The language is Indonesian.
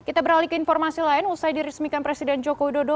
kita beralih ke informasi lain usai diresmikan presiden joko widodo